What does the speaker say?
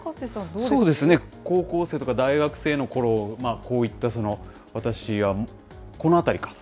そうですね、高校生とか大学生のころ、こういった私、このあたりか。